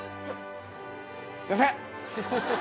すいません。